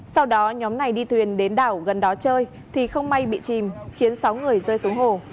sau đó nhóm này đi thuyền đến đảo gần đó chơi thì không may bị chìm khiến sáu người rơi xuống hồ